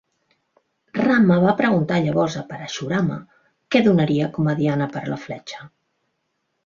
Rama va preguntar llavors a Parashurama què donaria com a diana per a la fletxa.